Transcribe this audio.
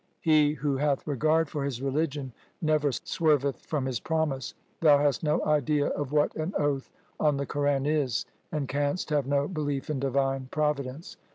He who hath regard for his religion never swerveth from his promise. Thou hast no idea of what an oath on the Quran is, and canst have no belief in Divine Providence.